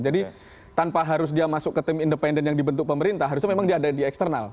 tanpa harus dia masuk ke tim independen yang dibentuk pemerintah harusnya memang dia ada di eksternal